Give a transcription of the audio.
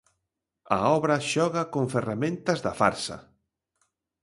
A obra xoga con ferramentas da farsa.